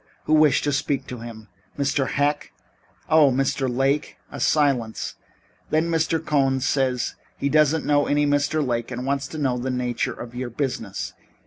Who wished to speak to him? Mr. Heck? Oh, Mr. Lake! A silence. Then Mr. Cohn says he doesn't know any Mr. Lake and wants to know the nature of your business.